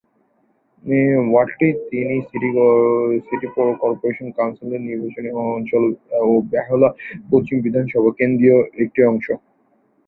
ওয়ার্ডটি একটি সিটি পৌর কর্পোরেশন কাউন্সিলের নির্বাচনী অঞ্চল এবং বেহালা পশ্চিম বিধানসভা কেন্দ্রের একটি অংশ।